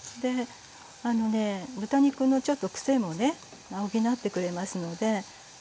あのね豚肉のちょっとくせもね補ってくれますので。